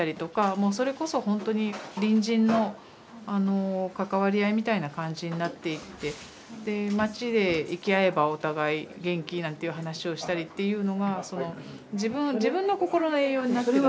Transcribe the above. もうそれこそほんとに隣人の関わり合いみたいな感じになっていってで街で行き会えばお互い「元気？」なんていう話をしたりっていうのが自分のこころの栄養になってた。